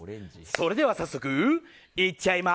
それでは早速いっちゃいま。